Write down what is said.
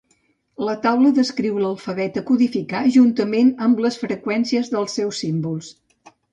La taula descriu l'alfabet a codificar, juntament amb les freqüències dels seus símbols.